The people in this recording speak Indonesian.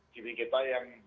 jadi kita yang